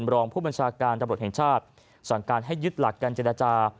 รองผู้บัญชาการตำรวจแห่งชาติสั่งการให้ยึดหลักการเจรจา